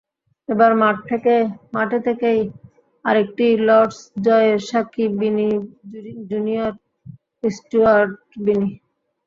এবার মাঠে থেকেই আরেকটি লর্ডস জয়ের সাক্ষী বিনি জুনিয়র, স্টুয়ার্ট বিনি।